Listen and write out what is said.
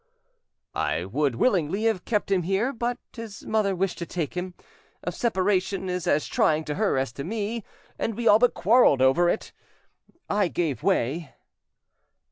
"I would willingly have kept him here, but his mother wished to take him. A separation is as trying to her as to me, and we all but quarrelled over it. I gave way."